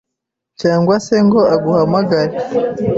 cyangwa se ngo aguhamagare,